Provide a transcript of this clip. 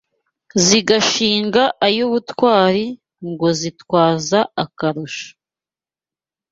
Zigashinga ay’ubutwari Ngo zitwaza akarusho